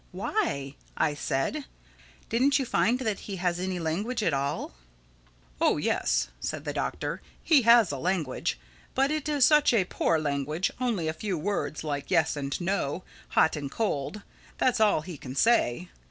"Why?" I said. "Didn't you find that he has any language at all?" "Oh yes," said the Doctor, "he has a language. But it is such a poor language—only a few words, like 'yes' and 'no'—'hot' and 'cold.' That's all he can say.